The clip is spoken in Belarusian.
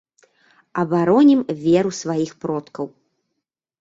Абаронім веру сваіх продкаў.